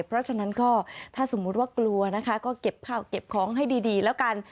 เพราะฉะนั้นก็ถ้าสมมุติว่ากลัวก็เก็บข้อให้ดีแล้วกัน